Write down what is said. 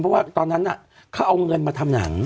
เพราะว่าตอนนั้นเขาเอาเงินมาทำหนัง